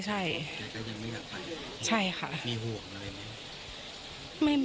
ใช่ค่ะ